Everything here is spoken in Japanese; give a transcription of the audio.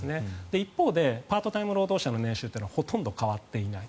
一方でパートタイム労働者の年収はほとんど変わっていないと。